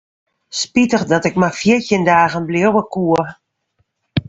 Spitich dat ik mar fjirtjin dagen bliuwe koe.